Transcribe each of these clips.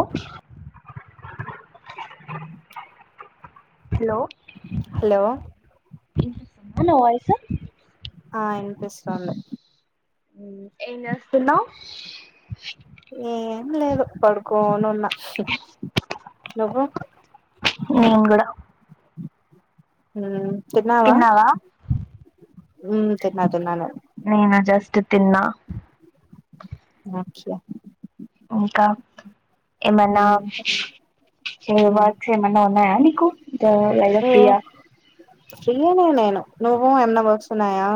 ఒ hello hello నా voice ఆ ఇనిపిస్తుంది ఎం చేస్తున్నావ్ ఏం లేదు పడుకోనున్న నువ్వు నిన్ కూడ మ్ తిన్నవా తిన్నావా మ్ తిన్న తిన్నను ఆ జస్ట్ తిన్నా అచ్చా ఇంకా ఏమన్నా వర్క్స్ ఏమైన్నా ఉన్నాయా నీకు లల ఏ ఫ్రీయా ఫ్రీయనే నేను నువ్వు ఎన్న బర్స్తున్నాయా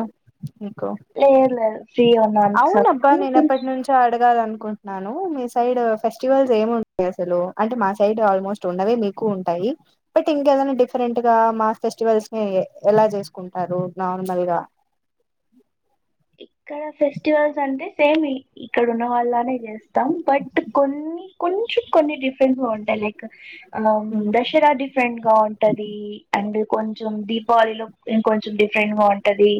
నీకు ఎది లేదు ఫ్రీ గున్నావర్ సర్కు కొంచ్ అడగాలనుకుంటున్నాను మీ సైడ్ ఫెస్టివల్స్ ఏమింటాయి అసలు అంటే మా సైడ్ ఆల్మోస్ట్ టుండవే మీకు ఉంటాయి బట్ ఇంకేదైనా డిఫరెంట్ గా మా ఫెస్టివల్స్ ని ఎలా చేసుకుంటారు నార్మల్ గా ఇక్కడ ఫెస్టివల్స్ అంటే సేమ్ ఇక్కడ ఉన్న వాళ్ళనే చేస్తాం బట్ కొన్ని కొంచెం కొన్ని డిఫరెన్స్ గ ఉంటాయి లైక్ అం దసరా డిఫరెంట్ గా ఉంటది అండ్ కొంచెం దీపావళిలో ఇం కొంచెం డిఫరెంట్ గా ఉంటది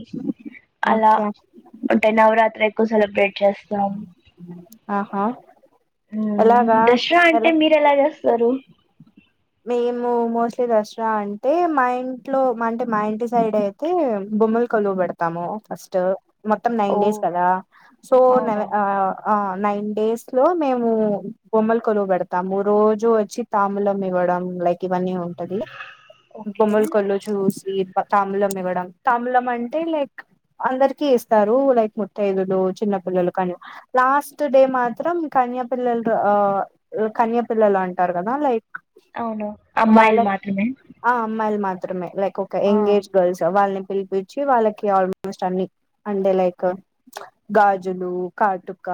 అలా ఓకే అంటే నవరాత్రి ఎక్కువ సెలబ్రేట్ చేస్ తం ఆహా మ్ ఎలాగా దసరా అంటే ఎలా మీ రేలా చేస్తారు మేము మోస్ట్లీ దసరా అంటే మా ఇంట్లో అంటే మా ఇంటి సైడ్ అయి తే బొమ్మలు కోలువు పెడుతాము ఫస్ట్ మొత్తం ఓ నైన్ డేస్ కదా సో నవ అవునా అ ఆ నైన్ డేస్ లో మేము బొమ్మలు కొలువు పెడుతాము రోజు వచ్చి తాములం ఇవ్వ డం లైక్ ఇవన్నీ ఉంటది ఓకే బొమ్మల కొలువు చూసి తంబులం ఇవ్వడం తంబులం అంటే లైక్ అందరికి ఇస్తారు లైక్ ముతైదులు చిన్న పిల్లలు కానీ లాస్ట్ డే మాత్రం కన్యాపిల్లలు అ కన్యాపిల్లలు అంటారు కదా లైక్ అవును అమ్మాయిల్ వాళ్ళ మాత్రమే ఆ అమ్మాయిలు మాత్రమే లైక్ ఒక ఆ ఎంగేజ్ గర్ల్స్ వాళ్ళని పిలిపిచ్చి వాళ్ళకి ఆల్మోస్ట్ అన్ని అంటే లైక్ గాజులు కాటుక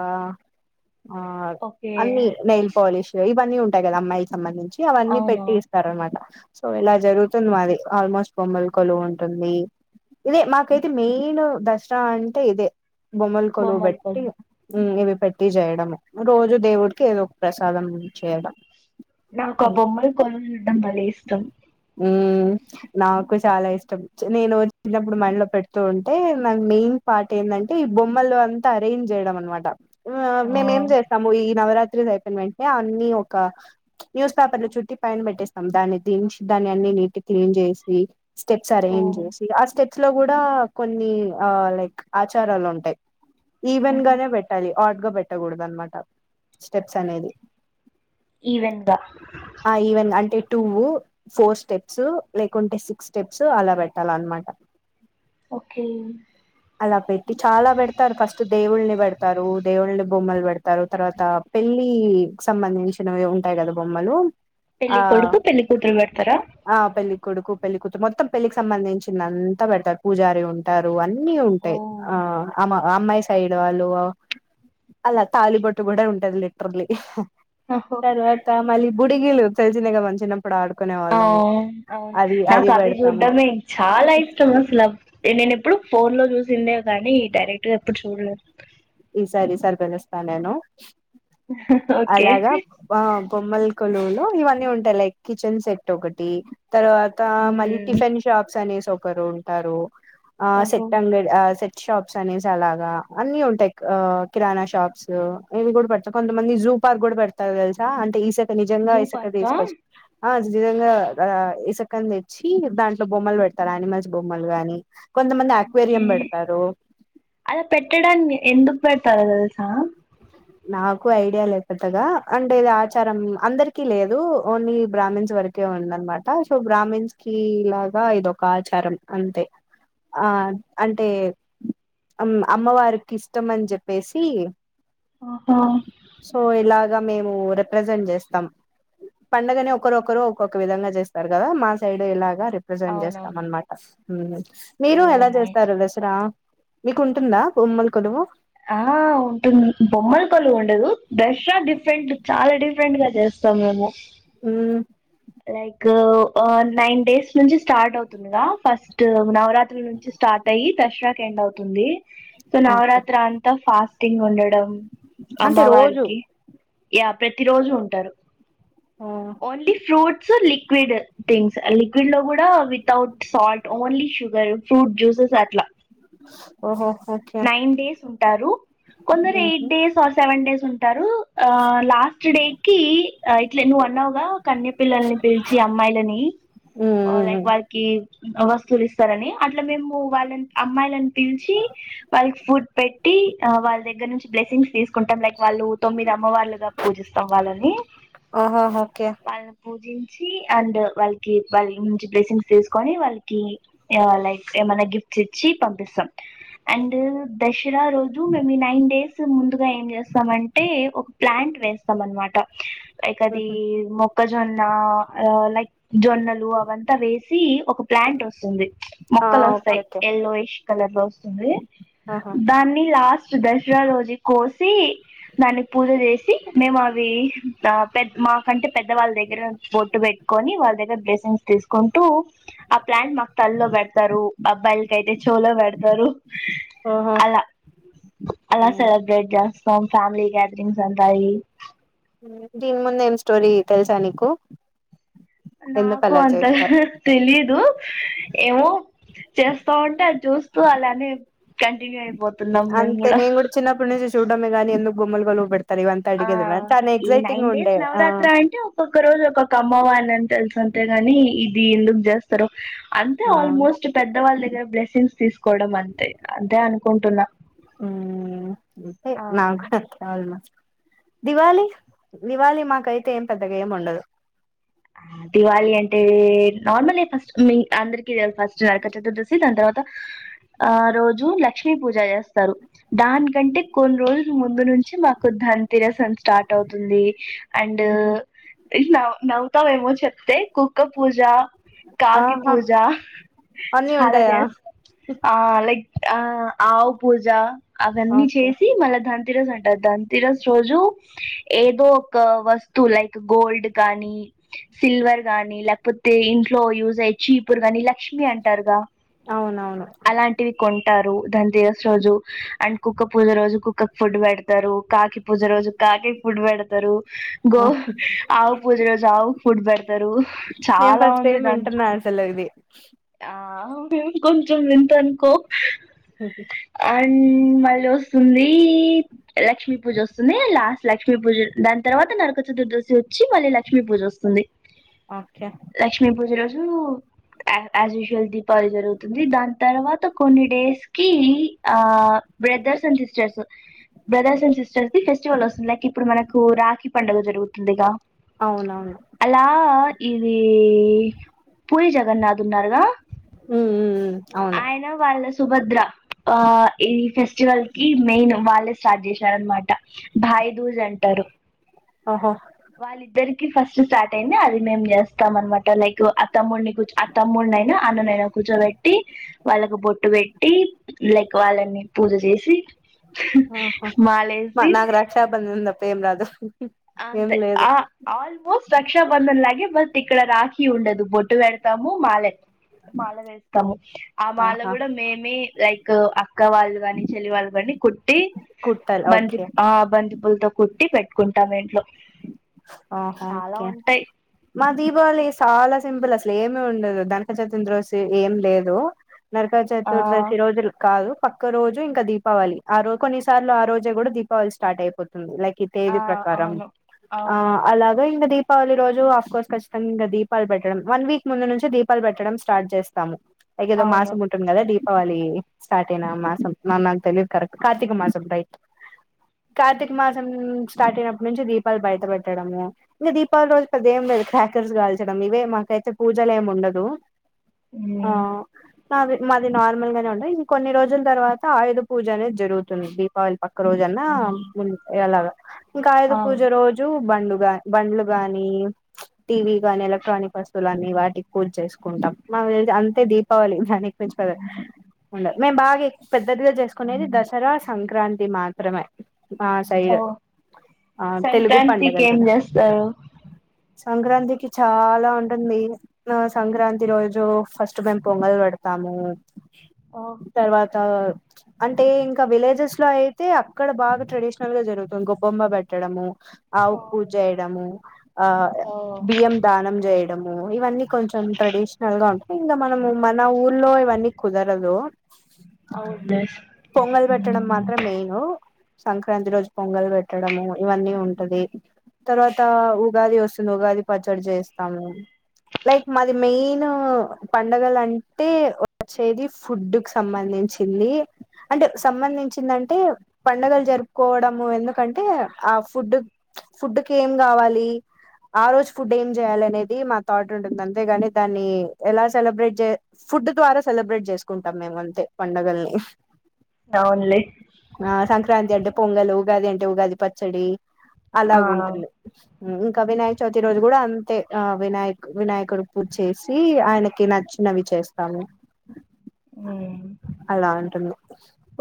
ఆ ఓకే అన్ని నెయిల్ పాలిష్ ఇవన్నీ ఉంటాయి కదా అమ్మాయిలకి సంబంధించి అవన్నీ అవునా పెట్టి రన్నమాట సో ఇలా జరుగుతుంది మాది ఆల్మోస్ట్ బొమ్మలు కొలువు ఉంటుంది ఇదే మాకైతే మెయిన్ దసరా అంటే ఇదే బొమ్మలు కొలువు పెట్టి మ్ ఇవి పెట్టి చేయడంము రోజు దేవుడికి ఏదో ఒక ప్రసాదం చేయడం నాకు ఆ బొమ్మలు కొలుడం భలే ఇష్టం మ్ నాకు చాలా ఇష్టం నేను చిన్నప్పుడు మ ఇంట్లో పెడుతూ ఉంటే నాకు మెయిన్ పార్ట్ ఏంటంటే ఈ బొమ్మలు అంతా అరేంజ్ చేయడం అనమాట ఆ మేమేం చేస్తాము ఈ నవరాత్రి అయిపోన వెంట అన్ని ఒక న్యూస్ పేపర్ లో చుట్టి పయైన పెట్టేస్తాం దాన్ని దించి దాని అన్ని నీట్ క్లీన్ చేసి స్టెప్స్ ఓ అరేంజ్ చేసి ఆ స్టెప్ స్టెప్ లో గుడా కొన్ని ఆ లైక్ ఆచారాలు ఉంటాయి ఈవెన్ ఆహా గానే పెట్టాలి హాట్గా పెట్టకూడదు అనమాట స్టెప్స్ అనేది ఈవెన్ గా ఆ ఈవెన్ అంటే టూ ఫోర్ స్టెప్స్ లేకుంటే సిక్స్ స్టెప్స్ అలా పెట్టాల అన్నమాట ఓకే అలా పెట్టి చాలా పెడతారు ఫస్ట్ దేవుళ్ళని పెడతారు దేవుళ్ళని బొమ్మలు పెడతారు తర్వాత పెళ్లి సంబంధించినవి ఉంటాయి కదా బొమ్మలు ఆ పెళ్లి కొడుకు పెళ్లి కూతురు పేడతారా ఆ పెళ్ళలి కొడుకు పెళ్ళికూతురు మొత్తం పెళ్ళికి సంబంధించిన అంతా పెడతారు పూజారి ఉంటారు అన్నీ ఓ ఉంటాయి ఆ అమ్ అమ్మాయి సైడ్ వాళ్ళు అలా తాలిబొట్టు కూడా ఉంటది లీటర్లీ ఓహో తర్వాత మళ్ళీ బుడిగీలు తెలిసినగా మ చిన్నప్పుడు ఆడు అవు అవును నా క అవి పెడతాము చూడ్డమే చాలా ఇష్టం అసలు నేను ఎప్పుడు ఫోన్ లో చూసిందే కానీ డైరెక్ట్ గా ఎప్పుడు చూడలేదు ఈ సారి ఈ సారి పిళస్తస్తా నేను ఓకే అలాగా వావ్ బొమ్మల కొలువులు ఇవన్నీ ఉంటాయి లైక్ కిచెన్ సెట్ ఒకటి తర్వాత మళ్ళీ టిఫిన్ షాప్స్ అనేసి ఒకరు ఉంటారు ఆ ఓహో సెట్ంగడి ఆ సెట్ షాప్స్ అనేసి అలాగా అన్ని ఉంటాయి ఆ కిరాణా షాప్స్ ఇవి కూడా పెడతా కొంతమంది జూ పార్క్ కూడా పెడతారు తెలుసా అంటే ఈ సె నిజంగా జూ ఈసక్క పార్కా తీసుకోవచ్చు ఆ నిజంగా ఇసుకం తెచ్చి దాంట్లో బొమ్మలు పెడతారు అనిమల్స్ బొమ్మలు గాని కొంతమంది ఓకే అక్వేరియం పెడతారు అలా పెట్టడానికి ఎందుకు పెడతారు తెలుసా నాకు ఐడియా లేదు పెద్దగా అంటే ఇది ఆచారం అందరికీ లేదు ఓన్లీ బ్రాహ్మన్స్ వరకు ఇంకేమీ ఉందన్నమాట సో బ్రాహ్మిన్స్ కి ఇలాగా ఇది ఒక ఆచారం అంతే ఆ అంటే అమ్మ అమ్మవారికి ఇష్టం అని చెప్పేసి ఆహా సో ఇలాగా మేము రిప్రజెంట్ చేస్తాం పండడుగనే ఒకరు ఒకరు ఒక్కొక్క విధంగా చేస్తారు కదా మా సైడ్ ఇలాగ రే రిపజెంట్ చేస్తాం అవునవును అనమాట మీరు ఓ ఎలా నైస్ చేస్తారు వెస్ కదా మీకు ఉంటుందా బొమ్మల కొలువు ఆ హావ్ [unintelligible] బొమ్మల కొలువు ఉండదు దసరా డిఫరెంట్ చాలా డిఫరెంట్ గా చేస్తాం మేము ఉ లైక్ ఓ నైన్ డేస్ నుంచి స్టార్ట్ అవుతుంది నువ్వు రా ఫస్ట్ నవరాత్రి నుంచి స్టార్ట్ అయ్యి దసరాక్ ఎండ్ అవుతుంది సో ఓకే నవరాత్ర అంతా ఫాస్టింగ్ ఉండడం అంటే రోజు అమ్మవారికి యా ప్రతి రోజు ఉంటారు ఓ, only fruits liquid things liquid లో కూడా without salt only sugar fruit juices అట్లా ఓహో ఓకే నైన్ డేస్ ఉంటారు కొందరు ఉహు eight days or seven days ఉంట ఆ లాస్ట్డే కి ఇట్లే నువ్వున్నావుగా కన్య పిల్లల్ని పిల్చి అమ్మాయిలని ఉహు లైక్ వాళ్ళ కి వస్తువులు ఇస్తారని అట్లా మేము వాళ్ళ అమ్మాయిల పిలిచి వాళ్ళక్ ఫుడ్ పెట్టి వాళ్ళ దగ్గర నుంచి బ్లెస్సింగ్స్ తీసుకుంటాం లైక్ వాళ్ళు తొమ్మిది అమ్మవార్లుగా పూజిస్తాం వాళ్ళని ఓహో ఓకే వాళ్ళని పూజించి అండ్ వాళ్ళకి వాళ్ళ మంచి బ్లెస్సింగ్స్ తీసుకొని వాల్కి లైక్ ఏమన్నా గిఫ్ట్స్ ఇచ్చి పంపిస్తాం అండ్ దసరా రోజు మేమ్మీ నైన్ డేస్ ముందుగా ఏం చేస్తామంటే ఒక ప్లాంట్ వేస్తాం అన్మాట లైక్ అది ఉహు. మొక్క జొన్న లైక్ జొన్నలు అవంతా వేసి ఒక ప్లాంట్ వస్తుంది ఆ ఓకే మొక్కలోస్తాయి ఓకే ఎయల్లోయిష్ కలర్ లో వస్తుంది ఆహా దాన్ని లాస్ట్ దసరా రోజే కోసి దానికి పూజ చేసి మేము అవి పెద్ద మా కంటే పెద్దవాళ్ళ దగ్గర బొట్టు పెట్టుకొని వాళ్ళ దగ్గర బ్లెస్సింగ్స్ తీసుకుంటూ ఆ ప్లాంట్ మాకు తల్ల్లో పెడతారు అబ్బాయిలకి అయితే షోల్డర్ పెడతారు ఓహో అలా అలా హ్మ్. సెలబ్రేట్ చేస్త సం ఫ్యామిలీ గ్యాదరింగ్స్ ఉంటాయి దీని ముందు ఏం స్టోరీ తెలుసా నీకు ఎందుకు నాకు అలా అంతలా చేస్తారు తెలిదు ఏమో చేస్తావుంటే అది చూస్తూ అలానే కంటిన్యూ అయిపో అంతే నేను కూడా చిన్నప్పటి నుంచి చూడ్మే కానీ ఎందుకు గుమ్మలు గలువ పడుత ఇవంత ఆ అడిగది తాను ఎక్సైటింగ్ ఉండే ఆ ఒక్క రోజు ఒక్కొక్క అమ్మవర్ణన్ని తెల్సాంతే గాని ఇది ఎందుకు జస్ట్ అంతే ఆ ఆల్మోస్ట్ కొంచం పెద్ద వాళ్ళ దగ్గర బ్లెసింగ్స్ తీసుకోవడం అంతే అంతే అనుకుంటున్నా ఉ అంతే అవును నాకూ [unintelligible] దివాళి దివాళి మాకైతే ఏం పెద్దగా ఏమి ఉండదు దివాళి అంటే నార్మల్ ఫస్ట్ మీ అందరికి ఫస్ట్ నరక చతుర్దశి దాని తర్వాత ఆ రోజు లక్ష్మీ పూజ చేస్తారు దానికంటే కొన్ని రోజుల ముందు నుంచి మాకు ధన్ తరసం స్టార్ట్ అవుతుంది అండ్ న నవ్తావేమో చెప్తే కుక్ కుక్క పూజ కాకి ఆహా పూజ అన్నీ చాలా ఉంటాయా చేస్తరు ఆ లైక్ ఆ ఆవు పూజ అవన్నీ ఓకే చేసి మళ్ళా దాని తిరజస్ అంటారు ధన్ తిరస్ రోజు ఏదో ఒక వస్తు లైక్ గోల్డ్ కానీ సిల్వర్ గానీ లేకపోతే ఇంట్లో యూజ్ అయి చీపుర్ కానీ లక్ష్మిీ అంటారుగా అవునవును అలాంటి వి కొంటారు దాని తీస రోజు అండ్ కుక్క పూజ రోజు కుక్కకు ఫుడ్ పెడత తారు కాకి పూజ రోజు కాక్కి ఫుడ్ పెడతారు గో ఓహ్! ఆవు పూజ రోజు ఆవుక్ ఫుడ్ పెడతారు చాలా ఉంది దాం తెలర్తే ఆ మే కొంచెం వింత అనుకో హ్మ్ అం మళ్ళొస్తుంది లక్ష్మి పూజ వస్తుంది, లాస్ట్ లక్ష్మీ పూజ దాని తర్వాత నరక చతుర్దశి వచ్చి మళ్ళీ లక్ష్మీ పూజ వస్తుంది. ఒకే లక్ష్మీ పూజ రోజు యాస్ యూజ్వల్ దీపావళీ జరుగుతుంది దాని తర్వాత కొన్ని డేస్ కి ఆ brothers and sisters brothers and sisters the festival వస్తుంది లైక్ ఇప్పుడు మనకు రాఖీ పండగ జరుగుతుందిగా. అవునవును. అలా ఇది పూరి జగన్నాథ్ ఉన్నారుగా ఉ ఉ అవును. ఆయన వాళ్ళ సుభద్ర ఆ ఈ ఫెస్టివల్ కి మెయిన్ వాళ్ళే స్టార్ట్ చేశారనమాట. భాయి దూజ్ అంటరు. ఆహా వాళ్ళిద్దరికి ఫస్ట్ స్టార్ట్ అయింది అది మేం చేస్తాం అనమాట లైక్ అ తమ్మున్ని కూర్చో తమ్మునైనా అన్ననైన కూర్చోబెట్టి వాళ్ళకు బొట్టు పెట్టి లైక్ వాళ్ళని పూజ చేసి ఆహా మాలేసి నాకు రక్షాబంధన్ తప్ప ఏం రాదు. ఏం అంతే లేదు ఆ ఆల్మోస్ట్ రక్షాబంధన్ లాగే బట్ ఇక్కడ రాఖీ ఉండదు బొట్టు పెడతాము మాలె మాల వేస్తము. ఆ మాల ఆహా కూడా మేమే లైక్ అక్క వాళ్ళు కాని, చెల్లి వాళ్ళు కానీ కుట్టి కుట్టాలి బంతి ఓకే ఆ బంతి పూలతో కుట్టి పెట్టుకుంటాం ఇంట్లో. ఆహా చాలా ఓకే. ఉంటాయి మా దీపావళి సాలా సింపుల్ అసలు ఏమి ఉండదు, ధనక చతుద్ర రోజు ఏం లేదు నరక ఆ చతుర్దశి రోజులు కాదు. పక్క రోజు ఇంకా దీపావళి ఆ రోజు కొన్నిసార్లు ఆ రోజే కూడా దీపావళి స్టార్ట్ అయిపో తుంది లైక్ ఈ ఆ తేదీ ప్రకారం అవును ఆ అవును అలాగ ఇంగ దీ దీపావళి రోజు ఆఫ్ కోర్స్ ఖచ్చితంగా ఇంకా దీపాలు పెట్టడం, వన్ వీక్ ముందు నుంచే దీపాలు పెట్టడం స్టార్ట్ చేస్తాము. ఎగదో అవును మాసం ఉం ఉంటుంది కదా దీపావళి స్టార్ట్ అయినా మాసం నా నాకు తెలిదు కరెక్ట్ కార్తీక మాసం రైట్. కార్తీక మాసం స్టార్ట్ అయినప్పటి నుంచి దీపాలు బయట పెట్టడము, ఇగ దీపావలీ రోజు పెద్దగా ఏం లేదు క్రాకర్స్ కాల్చడం ఇవే మాకైతే పూజలేం ఉండదు. ఆ ఉమ్ అది మాది నార్మల్ గానే ఉంటయి, కొన్ని రోజుల తర్వాత ఆయుధ పూజ అనేది జరుగుతుంది. దీపావళి పక్క రోజన్నా ముందు ఇగ అలాగా ఇంకా ఆయుధ ఆ పూజ రోజు బండ్లు గా బండ్లు గాని టీవీ గాని ఎలక్ట్రానిక్ వస్తువులన్నీ వాటికి పూజ చేసుకుంటాం. మాది అయితే అంతే దీపావళి దానికి మించి పెద్దగా ఉండదు మేము బాగా ఎక్ పెద్దదిగా చేసుకునేది దసరా, సంక్రాం తి మాత్రమే మా ఓ సైడ్. ఆ తెలుగు సంక్రాంతికి పండగలు ఏం కదా, చేస్తారు సంక్రాంతికి చాలా ఉంటుంది. ఆ సంక్రాంతి రోజు ఫస్ట్ మేము పొంగల్ పెడతాము. ఆ తర్వాత అంటే ఇంకా విలేజెస్లో అయితే అక్కడ బాగా ట్రెడిషనల్గ జరుగుతుంద్ గొబ్బమ్మ బ ట్టడము ఓ ఆవుక్ పూజ చేయడము ఆ ఓ బియ్యం దానం జే డమూ ఇవన్నీ కొంచం ట్రెడిషనల్గా ఇంగ మనము మన ఊర్లో ఇవన్నీ కుదరదు. అవున్లె నేను సంక్రాంతి రోజు పొంగల్ పెట్టడము ఇవన్నీ ఉంటది తర్వాత ఉగాది వస్తుంద్ ఉగాది పచ్చడి చేస్తాము. లైక్ మాది మెయిన్ పండగలంటే వచ్చేది ఫుడ్క్ సంబంధించింది అంటే సంబంధించిందంటే పండగల్ జరుపుకోవడము ఎందుకంటే ఆ ఫుడ్ ఫుడ్ కేం గావాలీ ఆ రోజు ఫుడ్ ఏం చేయాలనేది మా థాట్ ఉంటున్ అంతేగాని దాన్నీ ఎలా సెలబ్రేట్ చే ఫుడ్ ద్వారా సెలబ్రేట్ చేస్కుంటాం మేం అంతే పండగల్ని అవున్లె ఆ సంక్రాంతి అంటే పొంగలు, ఉగాది అంటే ఉగాది పచ్చడీ ఆ అలాగుంటుంది. ఇంకా వినాయక చవితి రోజు గుడ అంతే ఆ వినాయక్ వినాయకుడు పూజ్ చేసి ఆయనకి నచ్ నవి చేస్తాము ఉమ్ అలా అంటున్న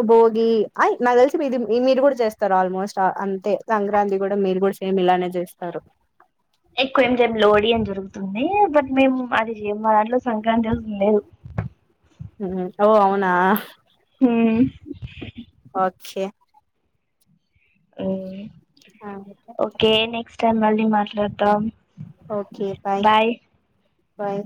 భోగి ఆయ్ నాక్ తెల్సి మీది మీరు గుడా చేస్తార్ ఆల్మోస్ట్ ఆ అన్ తె సంక్రాంతి గుడా మీరు గుడ సేమ్ ఇలానే చేస్తారు. ఎక్కు ఏం చేయం లోడీ అన్ జరుతుందీ బట్ మేము అది చేయం మా దాంట్లో సంక్రాంతి అసల్ లేదు. మ్ ఓ అవునా హ్మ్ ఓకే మ్ అంటే? ఓకే నెక్స్ట్ టైమ్ మళ్ళీ మాట్లాడ్తాం. Okay bye bye